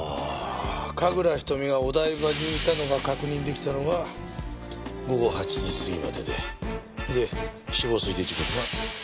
神楽瞳がお台場にいたのが確認できたのは午後８時過ぎまででそれで死亡推定時刻は午後の１０時。